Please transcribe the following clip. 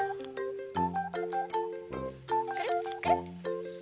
くるっくるっ。